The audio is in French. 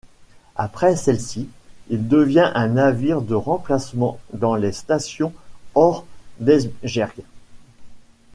Après celle-ci, il devient un navire de remplacement dans les stations hors d'Esbjerg.